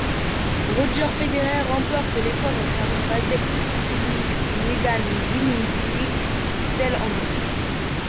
Roger Federer remporte l'épreuve en simple, Vasek Pospisil et Nenad Zimonjić celle en double.